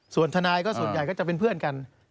ส่วนทนายก็ส่วนใหญ่ก็จะเป็นเพื่อนกัน